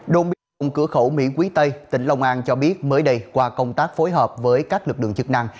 đồng biên phòng cửa khẩu mỹ quý tây tỉnh long an cho biết mới đây qua công tác phối hợp với các lực lượng chức năng